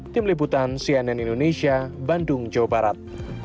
tim liputan cnn indonesia bandung jawa barat